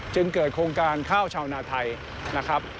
จึงเกิดโครงการข้าวชาวนาไทยนะครับ